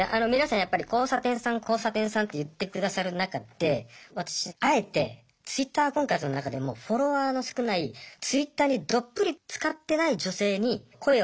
やっぱり「交差点さん交差点さん」って言ってくださる中で私あえてＴｗｉｔｔｅｒ婚活の中でもフォロワーの少ないＴｗｉｔｔｅｒにどっぷりつかってない女性に声をかけて。